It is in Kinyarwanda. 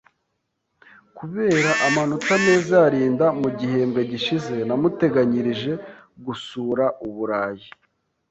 Kubera amanota meza ya Linda mu gihembwe gishize, namuteganyirije gusura Uburayi.